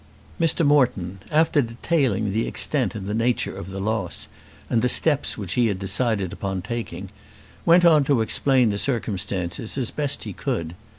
Mr. Moreton, after detailing the extent and the nature of the loss, and the steps which he had decided upon taking, went on to explain the circumstances as best he could.